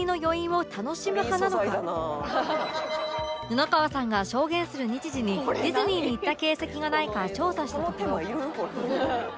布川さんが証言する日時にディズニーに行った形跡がないか調査したところ